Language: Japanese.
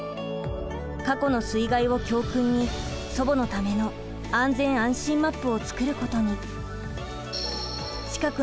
過去の水害を教訓に祖母のための安全安心マップを作ることに。